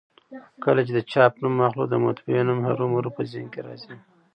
کله چي د چاپ نوم اخلو؛ د مطبعې نوم هرومرو په ذهن کي راځي.